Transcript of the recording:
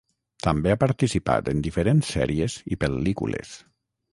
També ha participat en diferents sèries i pel·lícules.